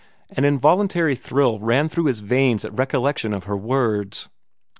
An involuntary thrill ran through his veins at recollection of her words.